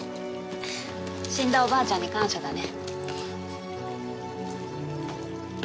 死んだおばあちゃんに感謝だね。